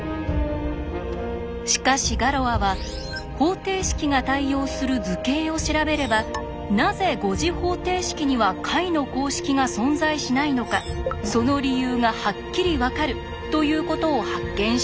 しかしガロアは方程式が対応する図形を調べればなぜ５次方程式には解の公式が存在しないのかその理由がはっきり分かるということを発見したんです。